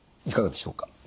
いかがでしょうか？